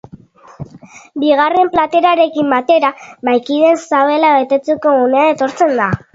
Bigarren platerarekin batera, mahaikideen sabela betetzeko unea etortzen da.